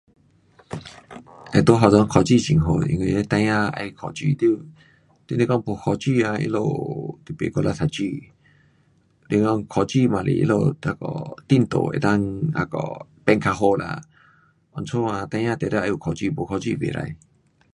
会在学堂考书很好，因为那孩儿要考书，你，你若没考书哈，他们不努力读书，若讲考书也是他们进度能够那个变较好啦，因此啊，孩儿定得要有考书，没考书不可。